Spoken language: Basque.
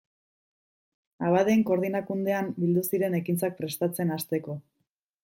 Abadeen Koordinakundean bildu ziren ekintzak prestatzen hasteko.